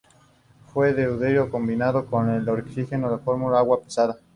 El deuterio combinado con el oxígeno forma agua pesada.